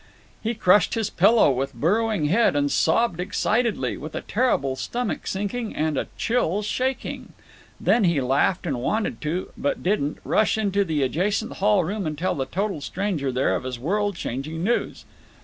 He crushed his pillow with burrowing head and sobbed excitedly, with a terrible stomach sinking and a chill shaking. Then he laughed and wanted to—but didn't—rush into the adjacent hall room and tell the total stranger there of this world changing news.